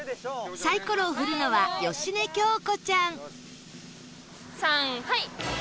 サイコロを振るのは芳根京子ちゃんさんはい！